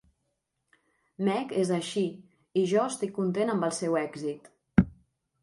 Meg és així, i jo estic content amb el seu èxit.